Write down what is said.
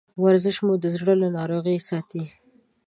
ورزش مو د زړه له ناروغیو ساتي.